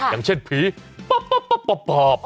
อย่างเช่นผีป๊อบป๊อบ